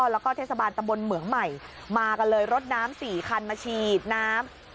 แล้วก็เทศบาลตำบลเหมืองใหม่มากันเลยรถน้ำ๔คันมาฉีดน้ำ